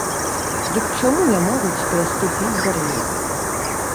Дык чаму не могуць пераступіць бар'ер?